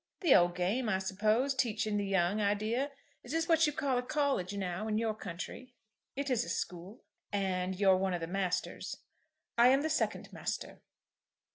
"The old game, I suppose. Teaching the young idea. Is this what you call a college, now, in your country?" "It is a school." "And you're one of the masters." "I am the second master."